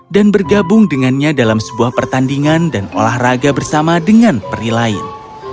dan bergabung dengannya dalam sebuah pertandingan dan olahraga bersama dengan peri lain